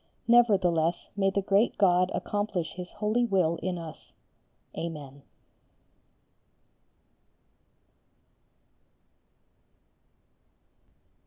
Nevertheless, may the great God accomplish His holy will in us! Amen.